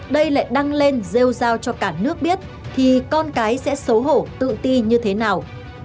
đây lại đăng lên rêu giao cho cả nước biết thì con cái sẽ xấu hổ tự ti như thế nào